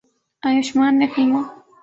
آیوشمان نے فلموں